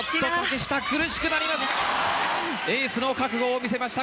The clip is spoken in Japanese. エースの覚悟を見せました！